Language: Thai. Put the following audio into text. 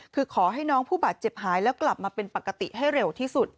คือขอให้น้องผู้บาดเจ็บหายแล้วกลับมาเป็นปกติให้เร็วที่สุด